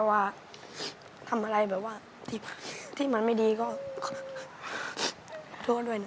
ว่าทำอะไรแบบว่าที่มันไม่ดีก็โทษด้วยนะ